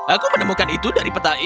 aku menemukan itu dari petai